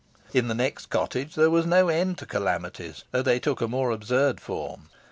In the next cottage there was no end to calamities, though they took a more absurd form.